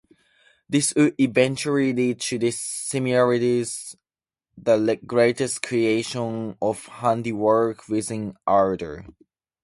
This would eventually lead to the Silmarils, the greatest creation of handiwork within Arda.